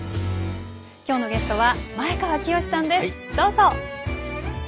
今日のゲストは前川清さんです。